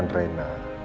aku juga gak ada niatan